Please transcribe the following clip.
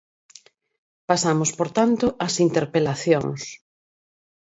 Pasamos, por tanto, ás interpelacións.